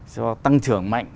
cho tăng trưởng mạnh